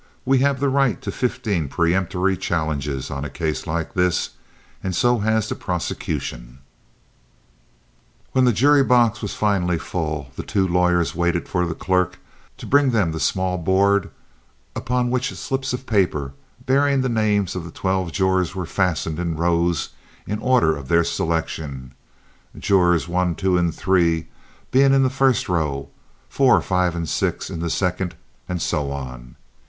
We have the right to fifteen peremptory challenges on a case like this, and so has the prosecution." When the jury box was finally full, the two lawyers waited for the clerk to bring them the small board upon which slips of paper bearing the names of the twelve jurors were fastened in rows in order of their selection—jurors one, two, and three being in the first row; four, five, and six in the second, and so on.